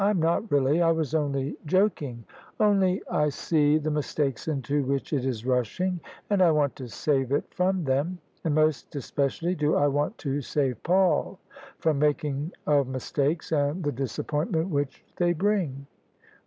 Fm not really; I was only joking; only I see the mistakes into which it is rushing, and I want to save it from them ; and most especially do I want to save Paul from making of mistakes and the disappoint ment which they bring."